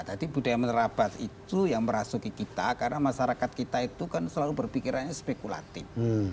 tadi budaya menerabas itu yang merasuki kita karena masyarakat kita itu kan selalu berpikirannya spekulatif